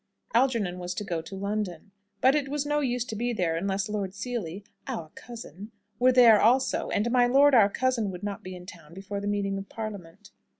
Algernon was to go to London, but it was no use to be there unless Lord Seely, "our cousin," were there also; and my lord our cousin would not be in town before the meeting of parliament.